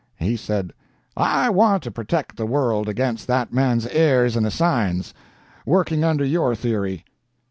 "He said: 'I want to protect the world against that man's heirs and assigns, working under your theory.'